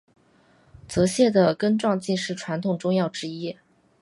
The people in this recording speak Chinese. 泽泻的根状茎是传统中药之一。